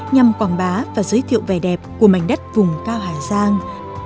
nhằm quảng bá và giới thiệu vẻ đẹp của mảnh đất vùng cao hà giang